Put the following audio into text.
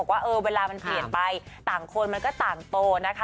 แคบว่าเวลามันเปลี่ยนไปแต่ต่างคนแต่ต่างตัวนะคะ